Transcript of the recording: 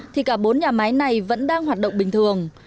thì cả bốn nhà máy này vẫn đang hoạt động bình thường